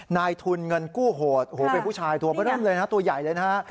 นายทุนเงินกู้โหดโอ้โหเป็นผู้ชายทั่วต้นเลยนะตัวใหญ่เลยนะ